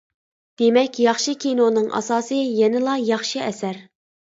دېمەك، ياخشى كىنونىڭ ئاساسى يەنىلا ياخشى ئەسەر.